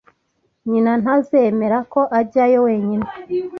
Nyina ntazemera ko ajyayo wenyine